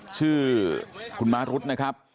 ชื่อคุณม้ารุษนะครับ